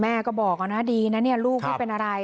แม่ก็บอกดีนะลูกไม่เป็นอะไร